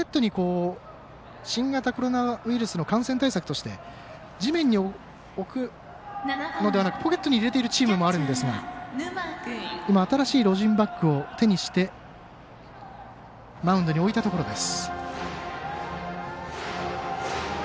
新型コロナウイルスの感染対策として地面に置くのではなくポケットに入れているチームもあるんですが新しいロジンバッグを手にしてマウンドに置いたところです。